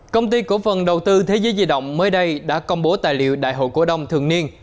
công ty cổ phần đầu tư thế giới di động mới đây đã công bố tài liệu đại hội cổ đông thường niên